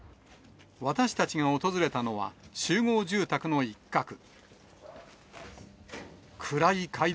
私たちが訪れたのは、集合住宅の一角。